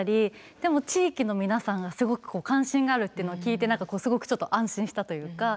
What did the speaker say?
でも地域の皆さんがすごく関心があるっていうのを聞いてすごくちょっと安心したというか。